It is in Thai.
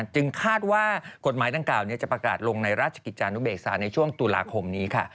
จึงคาดว่ากฎหมายดังกล่าวจะประกาศลงในราชกิจจานุเบกษาในช่วงตุลาคมนี้ค่ะ